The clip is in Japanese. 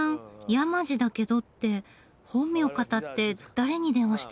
「山地だけど」って本名かたって誰に電話してるの？